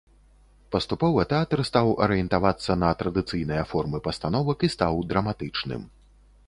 Паступова тэатр стаў арыентавацца на традыцыйныя формы пастановак і стаў драматычным.